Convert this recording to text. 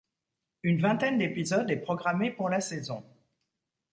Une vingtaine d'épisode est programmée pour la saison.